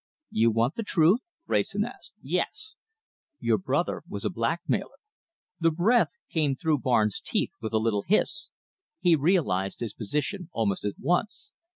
"You want the truth?" Wrayson asked. "Yes!" "Your brother was a blackmailer!" The breath came through Barnes' teeth with a little hiss. He realized his position almost at once.